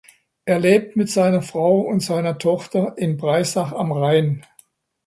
Er lebt mit seiner Frau und seiner Tochter in Breisach am Rhein.